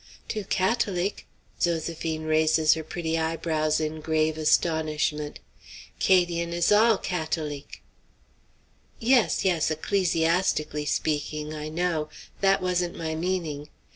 "Too Cat'oleek!" Zoséphine raises her pretty eyebrows in grave astonishment "'Cadian' is all Cat'oleek." "Yes, yes, ecclesiastically speaking, I know. That wasn't my meaning.